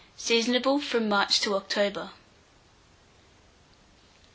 Seasonable from March to October.